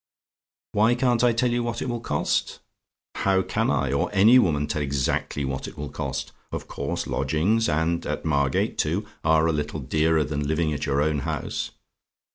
"WHY CAN'T I TELL YOU WHAT IT WILL COST? "How can I or any woman tell exactly what it will cost? Of course lodgings and at Margate, too are a little dearer than living at your own house.